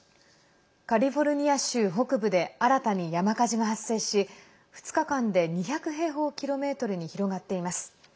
カリフォルニア州北部で新たに山火事が発生し２日間で２００平方キロメートルに広がっています。